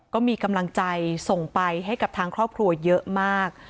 ก็มีกำลังใจส่งไปให้กับทางครอบครัวเยอะมาก